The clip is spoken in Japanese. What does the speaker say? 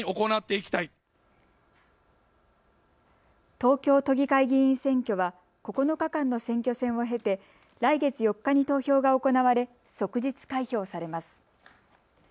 東京都議会議員選挙は９日間の選挙戦を経て来月４日に投票が行われ即日開票されます。